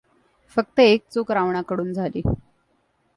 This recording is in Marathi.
फक्त एक चूक रावणाकडून झाली.